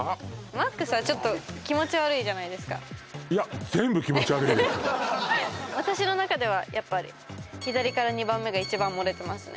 ＭＡＸはちょっと気持ち悪いじゃないですかいや私の中ではやっぱり左から２番目が一番盛れてますね